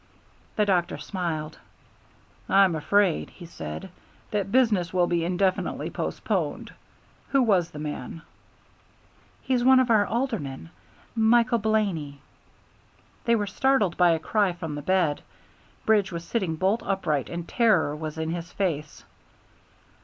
The doctor smiled. "I'm afraid," he said, "that business will be indefinitely postponed. Who was the man?" "He's one of our aldermen, Michael Blaney." They were startled by a cry from the bed. Bridge was sitting bolt upright, and terror was in his face.